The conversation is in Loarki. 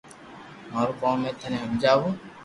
مارو ڪوم ھي ٿني ھمجاو